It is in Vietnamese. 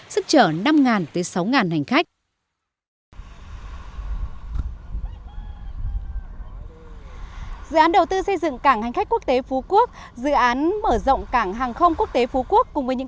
sức trở năm sáu tỷ đồng